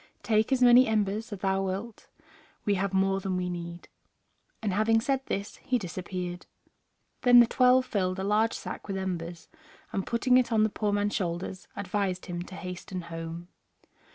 Take as many embers as thou wilt, we have more than we need." And having said this he disappeared. Then the twelve filled a large sack with embers, and, putting it on the poor man's shoulders, advised him to hasten home.